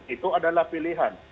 itu adalah pilihan